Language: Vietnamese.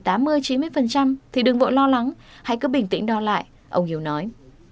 thì đừng vội lo lắng hãy cứ bình tĩnh đo lại ông hiếu nói